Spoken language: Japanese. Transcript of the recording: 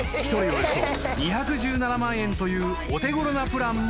およそ２１７万円というお手ごろなプランもある］